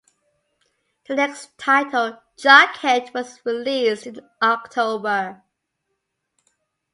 The next title, "Jughead", was released in October.